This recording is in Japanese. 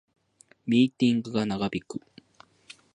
ミーティングが長引く